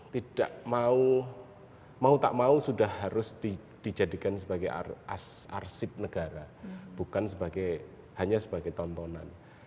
tidak mau mau tak mau sudah harus dijadikan sebagai arsip negara bukan hanya sebagai tontonan